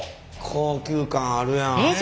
高級感あるやん。